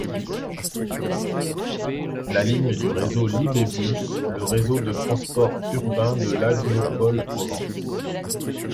La ligne du réseau Libébus, le réseau de transports urbains de l’Agglopole Provence.